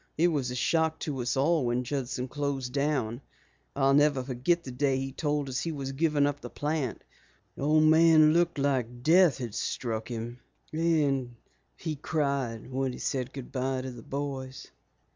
It was a shock to us all when Judson closed down. I'll never forget the day he told us he was giving up the plant. The old man looked like death had struck him, and he cried when he said good bye to the boys."